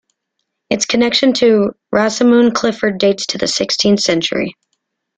Its connection to Rosamund Clifford dates to the sixteenth century.